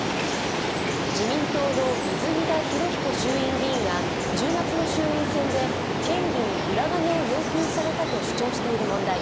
自民党の泉田裕彦衆院議員が１０月の衆院選で県議に裏金を要求されたと主張している問題。